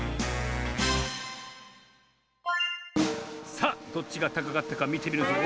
さあどっちがたかかったかみてみるぞ。